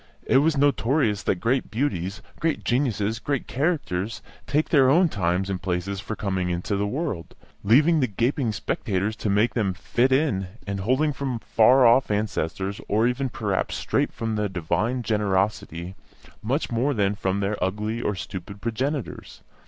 It was notorious that great beauties, great geniuses, great characters, take their own times and places for coming into the world, leaving the gaping spectators to make them "fit in," and holding from far off ancestors, or even, perhaps, straight from the divine generosity, much more than from their ugly or stupid progenitors.